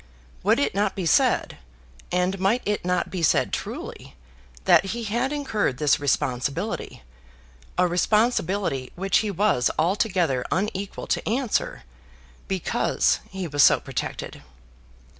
Would it not be said, and might it not be said truly, that he had incurred this responsibility, a responsibility which he was altogether unequal to answer, because he was so protected?